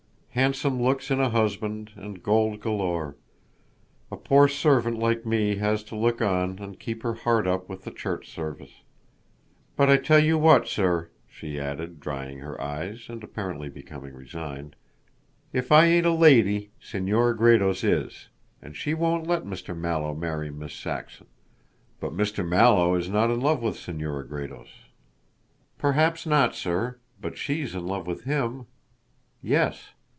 Handsome looks in a husband and gold galore. A poor servant like me has to look on and keep her heart up with the Church Service. But I tell you what, sir," she added, drying her eyes and apparently becoming resigned, "if I ain't a lady, Senora Gredos is, and she won't let Mr. Mallow marry Miss Saxon." "But Mr. Mallow is not in love with Senora Gredos." "Perhaps not, sir, but she's in love with him. Yes.